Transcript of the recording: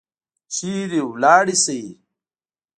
چیرې ولاړي شي؟